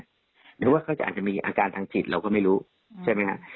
อย่างเป็นว่าเขาอาจจะมีอาการทางชิดเราก็ไม่รู้ใช่ไหมครับ